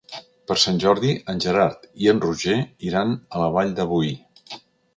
Per Sant Jordi en Gerard i en Roger iran a la Vall de Boí.